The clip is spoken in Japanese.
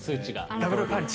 ダブルパンチ。